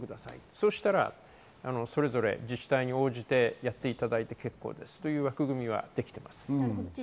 そうしたら、それぞれ自治体に応じてやっていただいて結構ですという枠組みはできています。